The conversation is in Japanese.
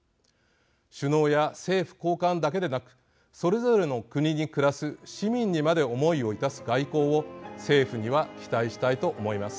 首脳や政府高官だけでなくそれぞれの国に暮らす市民にまで思いをいたす外交を政府には期待したいと思います。